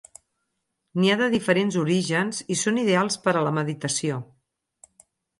N'hi ha de diferents orígens i són ideals per a la meditació.